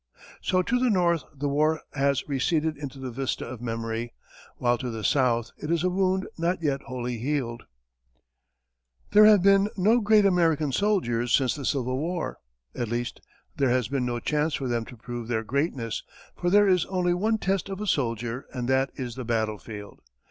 So to the North the war has receded into the vista of memory, while to the South it is a wound not yet wholly healed. There have been no great American soldiers since the Civil War at least, there has been no chance for them to prove their greatness, for there is only one test of a soldier and that is the battlefield.